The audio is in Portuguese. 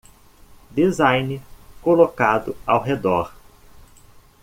Design colocado ao redor